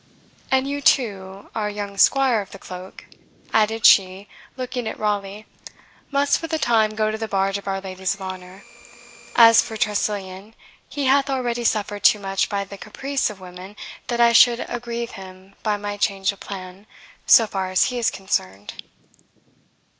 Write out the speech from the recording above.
"And you, too, our young Squire of the Cloak," added she, looking at Raleigh, "must, for the time, go to the barge of our ladies of honour. As for Tressilian, he hath already suffered too much by the caprice of women that I should aggrieve him by my change of plan, so far as he is concerned."